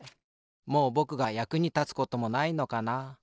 もうぼくがやくにたつこともないのかな。